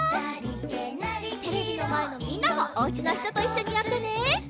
テレビのまえのみんなもおうちのひとといっしょにやってね。